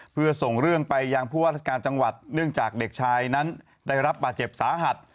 เพื่อส่งเรื่องไปยังผู้ว่าราชการจังหวัดเนื่องจากเด็กชายนั้นได้รับบาดเจ็บสาหัส